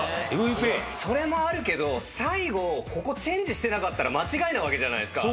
それもあるけど最後ここチェンジしてなかったら間違いなわけじゃないっすか。